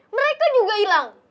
mereka juga ilang